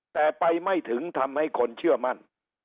แต่ไปไม่ถึงทำให้คนเชื่อมั่น